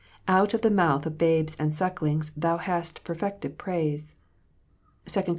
"Out of the mouth of babes and sucklings Thou hast perfected praise," (2 Cor.